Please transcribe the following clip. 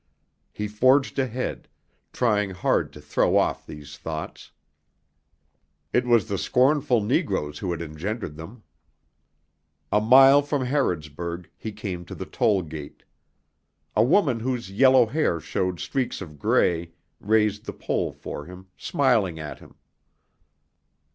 He forged ahead, trying hard to throw off these thoughts. It was the scornful negroes who had engendered them. A mile from Harrodsburg he came to the toll gate. A woman whose yellow hair showed streaks of gray, raised the pole for him, smiling at him.